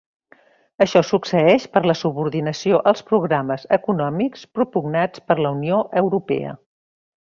Això succeïx per la subordinació als programes econòmics propugnats per la Unió Europea.